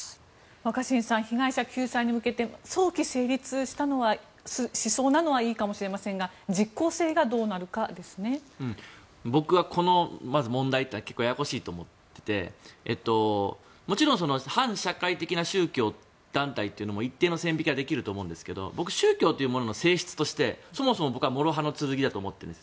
若新さん被害者救済に向けて早期成立しそうなのはいいかもしれませんが僕はこの問題というのは結構ややこしいと思っていて反社会的な宗教団体というのを一定の線引きはできると思うんですが僕、宗教というものの性質としてそもそも僕はもろ刃の剣だと思っているんです。